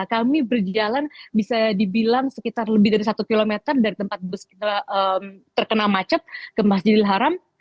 kami berjalan bisa dibilang sekitar lebih dari satu km dari tempat bus kita terkena macet ke masjidil haram